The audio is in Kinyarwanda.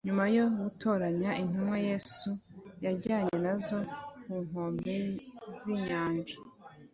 nyuma yo gutoranya intumwa, yesu yajyanye na zo ku nkombe z’inyanja